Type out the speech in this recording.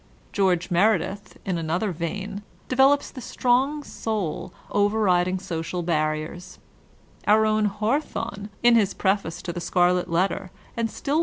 George Meredith, in another vein, develops the strong soul over riding social barriers. Our own Haw Anarchism in LiTERATUitE 151 thorne in his preface to the "Scarlet Letter/' and stil!